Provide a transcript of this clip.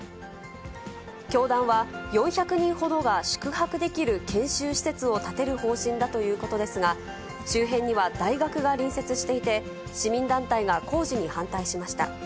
教団は、４００人ほどが宿泊できる研修施設を建てる方針だということですが、周辺には大学が隣接していて、市民団体が工事に反対しました。